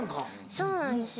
そうなんですよ。